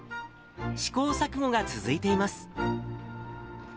試行錯誤が続いています。